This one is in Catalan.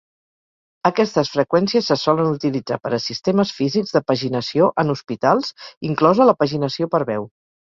Aquestes freqüències se solen utilitzar per a sistemes físics de paginació en hospitals, inclosa la paginació per veu.